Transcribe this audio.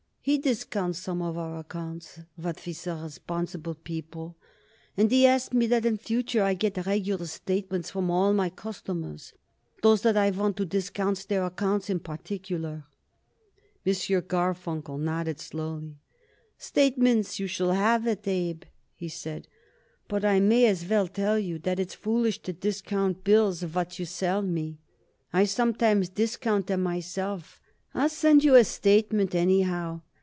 He discounts some of our accounts what we sell responsible people, and he asks me that in future I get regular statements from all my customers those that I want to discount their accounts in particular." M. Garfunkel nodded slowly. "Statements you shall have it, Abe," he said, "but I may as well tell you that it's foolish to discount bills what you sell me. I sometimes discount them myself. I'll send you a statement, anyhow.